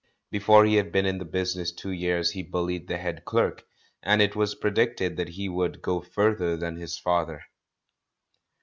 Before he had been in the business two years he bullied the head clerk, and it was pre dicted that he would "go further than his father.'